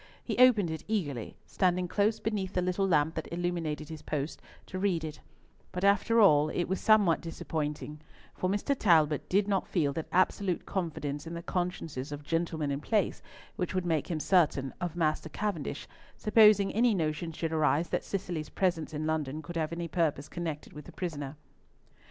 He opened it eagerly, standing close beneath the little lamp that illuminated his post, to read it: but after all, it was somewhat disappointing, for Mr. Talbot did not feel that absolute confidence in the consciences of gentlemen in place which would make him certain of that of Master Cavendish, supposing any notion should arise that Cicely's presence in London could have any purpose connected with the prisoner.